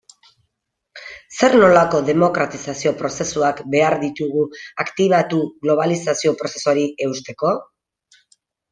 Zer nolako demokratizazio prozesuak behar ditugu aktibatu globalizazio prozesuari eusteko?